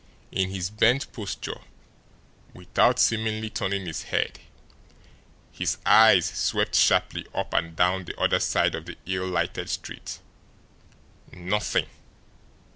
In his bent posture, without seemingly turning his head, his eyes swept sharply up and down the other side of the ill lighted street. Nothing!